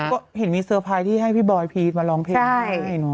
ก็เห็นมีเซอร์ไพรส์ที่ให้พี่บอยพีชมาร้องเพลงให้